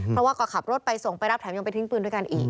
เพราะว่าก็ขับรถไปส่งไปรับแถมยังไปทิ้งปืนด้วยกันอีก